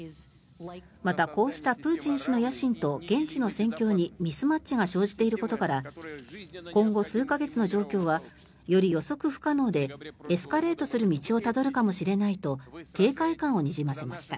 また、こうしたプーチン氏の野心と現地の戦況にミスマッチが生じていることから今後数か月の状況はより予測不可能でエスカレートする道をたどるかもしれないと警戒感をにじませました。